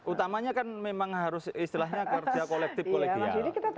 utamanya kan memang harus istilahnya kerja kolektif kolegial